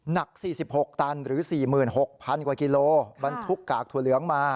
หนัก๔๖ตันหรือ๔๖๐๐กว่ากิโลบรรทุกกากถั่วเหลืองมา